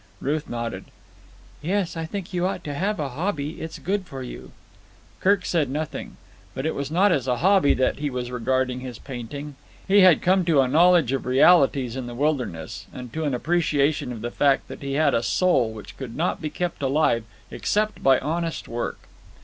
Ruth nodded. "Yes, I think you ought to have a hobby. It's good for you." Kirk said nothing. But it was not as a hobby that he was regarding his painting. He had come to a knowledge of realities in the wilderness and to an appreciation of the fact that he had a soul which could not be kept alive except by honest work.